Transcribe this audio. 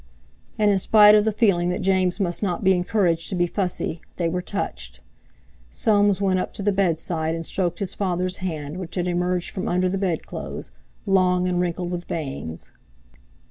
And in spite of the feeling that James must not be encouraged to be fussy, they were touched. Soames went up to the bedside and stroked his father's hand which had emerged from under the bedclothes, long and wrinkled with veins.